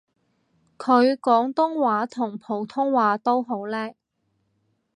佢廣東話同普通話都好叻